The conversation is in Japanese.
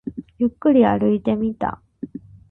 ゆっくり歩いてみた